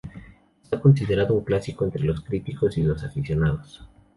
Está considerado un clásico entre los críticos y los aficionados.